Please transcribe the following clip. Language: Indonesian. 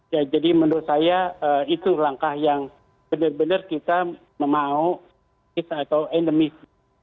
ya jadi menurut saya itu langkah yang benar benar kita memauk atau endemis